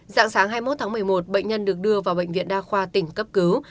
dạng sáng hai mươi một tháng một mươi một bệnh nhân được đưa vào bệnh viện đa khoa tỉnh cấp cứu